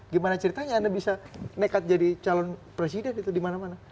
gimana ceritanya anda bisa nekat jadi calon presiden itu di mana mana